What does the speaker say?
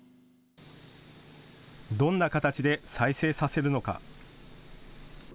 どんな形で再生させるのか。